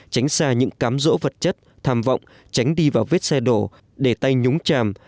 tránh xa những cám rỗ vật chất tham vọng tránh đi vào vết xe đổ để tay nhúng chàm